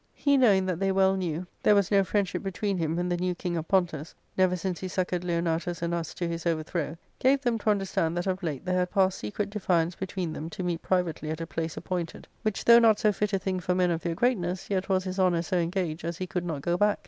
He, knowing that they well knew there P y ftio ARCADIA.— Book 11. ivas no friendship between him and the new king of Pontus, never since he succoured Leonatus and us to his overthrow, gave them to understand that of late there had passed secret defiance between them to meet privately at a place appointed ; which though not so fit a thing for men of their greatness, yet was his honour so engaged as he could not go back.